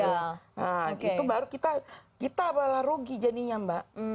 nah itu baru kita malah rugi jadinya mbak